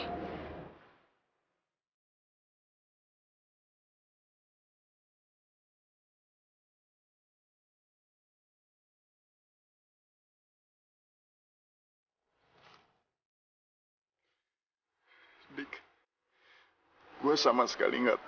aku di dalam rumah keribut